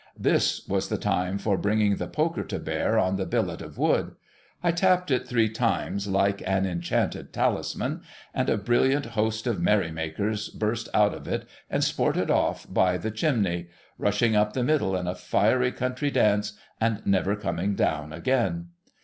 This was the time for bringing the poker to bear on the billet of wood. I tapped it three times, like an enchanted talisman, and a brilliant host of merry makers burst out of it, and sported off by the chimney, — rushing up the middle in a fiery country dance, and never coming down again.